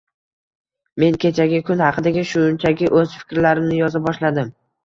Men kechagi kun haqidagi shunchaki oʻz fiklarimni yoza boshladim